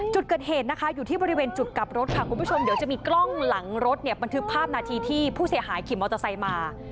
จุดเกิดเหตุนะคะอยู่ที่บริเวณจุดกลับรถค่ะคุณผู้ชมเดี๋ยวจะมีกล้องหลังรถเนี่ยบันทึกภาพนาทีที่ผู้เสียหายขี่มอเตอร์ไซค์มา